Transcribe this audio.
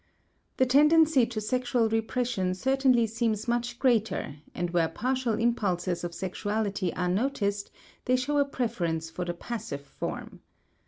The tendency to sexual repression certainly seems much greater, and where partial impulses of sexuality are noticed they show a preference for the passive form.